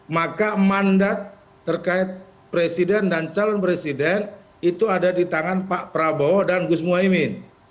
maka mandat terkait presiden dan calon presiden itu ada di tangan pak prabowo dan gus muhaymin